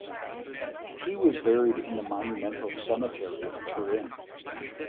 He was buried in the monumental cemetery of Turin.